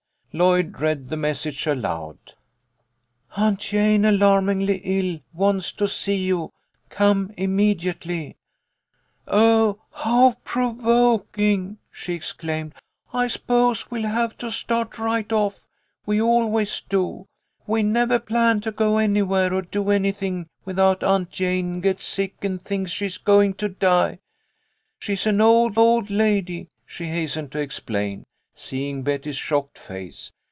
Lloyd read the message aloud. "Aunt Jane alarmingly ill; wants to see you. Come immedi ately" " Oh, how provoking !" she exclaimed. " I s'pose we'll have to start right off. We always do. We nevah plan to go anywhere or do anything with out Aunt Jane gets sick and thinks she's goin' to die. She's an old, old lady," she hastened to ex plain, seeing Betty's shocked face.